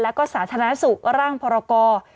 แล้วก็สาธารณสุขร่างพรกร